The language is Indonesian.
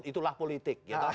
itulah politik gitu